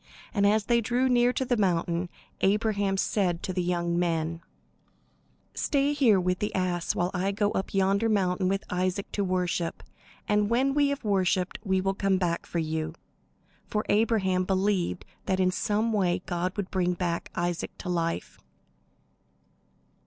And as they drew near to the mountain Abraham said to the young men: [Illustration: For two days they walked] "Stay here with the ass, while I go up yonder mountain with Isaac to worship; and when we have worshipped, we will come back to you." For Abraham believed that in some way God would bring back Isaac to life.